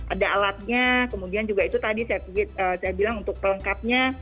ada alatnya kemudian juga itu tadi saya bilang untuk pelengkapnya